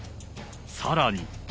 さらに。